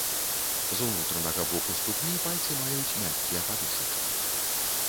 З унутранага боку ступні пальцы маюць мяккія падушачкі.